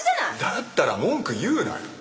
だったら文句言うなよ。